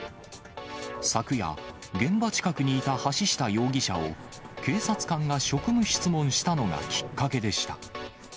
昨夜、現場近くにいた橋下容疑者を、警察官が職務質問したのがきっかけでした。